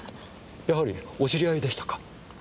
やはりお知り合いでしたか？